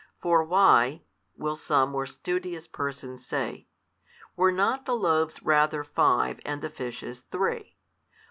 For why (will some more studious person say) were not the loaves rather five, and the fishes three?